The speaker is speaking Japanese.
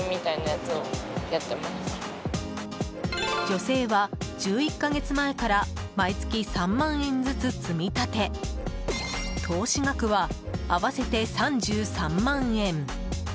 女性は１１か月前から毎月３万円ずつ積み立て投資額は合わせて３３万円。